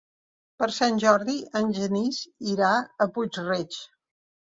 Per Sant Jordi en Genís irà a Puig-reig.